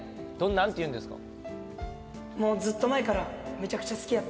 なんて言うんですか？